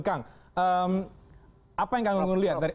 kang apa yang kang gungun lihat tadi